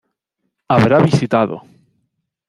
Habrá visitado